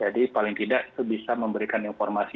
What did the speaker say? jadi paling tidak itu bisa memberikan informasi